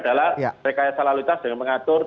rekayasa laluitas dengan mengatur